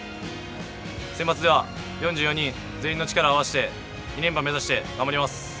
センバツでは４４人全員の力を合わせて２連覇目指して頑張ります。